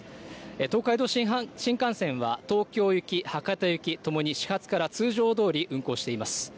東海道新幹線は東京行き、博多行きともに始発から通常どおり運行しています。